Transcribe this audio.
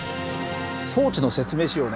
装置の説明しようね。